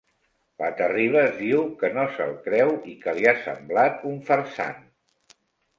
La Terribas diu que no se'l creu i que li ha semblat un farsant.